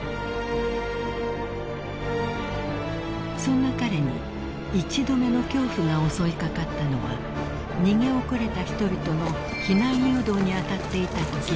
［そんな彼に一度目の恐怖が襲いかかったのは逃げ遅れた人々の避難誘導に当たっていたときでした］